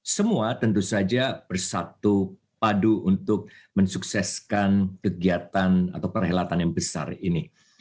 semua tentu saja bersatu padu untuk mensukseskan kegiatan atau perhelatan yang besar ini